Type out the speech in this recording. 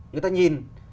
người ta nhìn